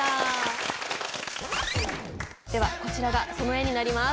ではこちらがその絵になります。